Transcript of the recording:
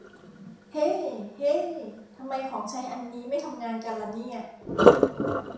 เฮ้ เฮ้ ทำไมของใช้อันนี้ไม่ทำงานกันล่ะเนี่ย